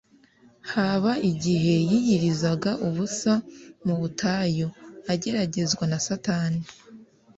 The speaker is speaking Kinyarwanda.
Haba igihe yiyirizaga ubusa mu butayu ageragezwa na Satani,